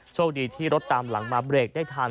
โชคดีที่รถตามหลังมาเบรกได้ทัน